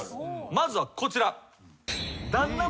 まずはこちら。